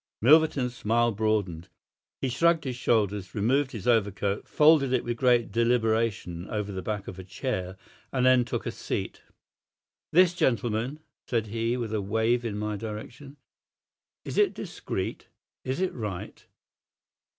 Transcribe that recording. Milverton's smile broadened; he shrugged his shoulders, removed his overcoat, folded it with great deliberation over the back of a chair, and then took a seat. "This gentleman?" said he, with a wave in my direction. "Is it discreet? Is it right?"